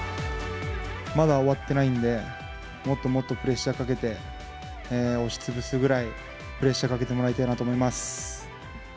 まだ終わってないんで、もっともっとプレッシャーかけて、押しつぶすぐらい、プレッシャーかけてもらいたいなと思います。